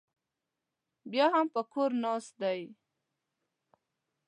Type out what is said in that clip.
بیا هم په کور ناست دی.